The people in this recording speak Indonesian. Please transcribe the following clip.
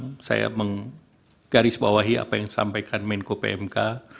kemudian saya menggarisbawahi apa yang disampaikan menko pmk